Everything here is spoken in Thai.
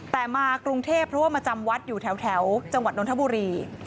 แต่มากรุงเทพเพราะว่ามาจำวัดอยู่แถวจังหวัดนทบุรี